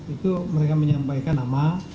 itu mereka menyampaikan nama